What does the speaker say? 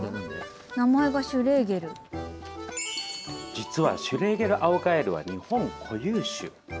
実はシュレーゲルアオガエルは日本固有種。